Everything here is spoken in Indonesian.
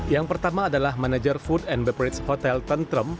yang pertama adalah manager food and beverage hotel tentrum